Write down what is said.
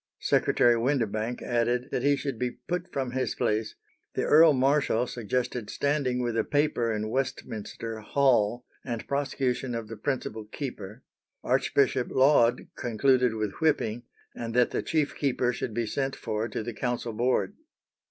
Secretary Windebank added that he should be put from his place; the earl marshal suggested standing with a paper in Westminster Hall, and prosecution of the principal keeper; Archbishop Laud concluded with whipping, and that the chief keeper should be sent for to the Council Board.